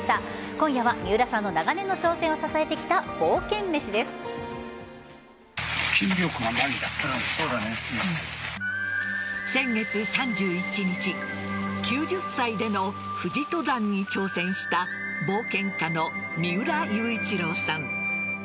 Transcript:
今夜は三浦さんの長年の挑戦を支えてきた先月３１日９０歳での富士登山に挑戦した冒険家の三浦雄一郎さん。